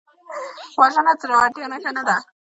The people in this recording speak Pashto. وژنه د زړورتیا نښه نه ده